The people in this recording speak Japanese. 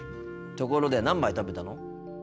ところで何杯食べたの？